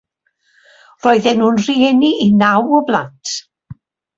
Roedden nhw'n rhieni i naw o blant.